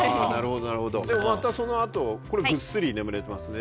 でもまたその後ぐっすり眠れてますね。